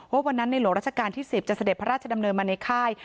วันนั้นในหลวงราชการที่๑๐จะเสด็จพระราชดำเนินมาในค่าย